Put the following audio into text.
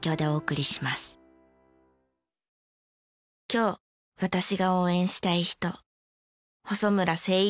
今日私が応援したい人。